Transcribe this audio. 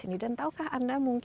ini sudah cukup